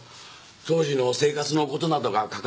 当時の生活のことなどが書かれております。